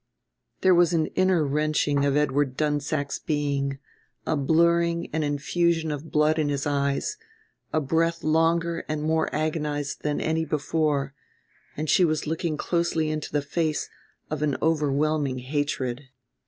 There was an inner wrenching of Edward Dunsack's being, a blurring and infusion of blood in his eyes, a breath longer and more agonized than any before, and she was looking closely into the face of an overwhelming hatred.